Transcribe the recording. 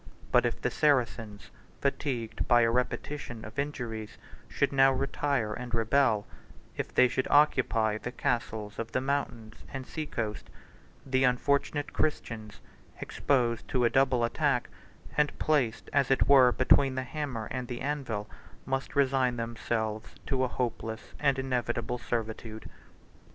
But if the Saracens, fatigued by a repetition of injuries, should now retire and rebel; if they should occupy the castles of the mountains and sea coast, the unfortunate Christians, exposed to a double attack, and placed as it were between the hammer and the anvil, must resign themselves to hopeless and inevitable servitude."